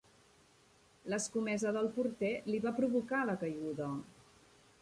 L'escomesa del porter li va provocar la caiguda.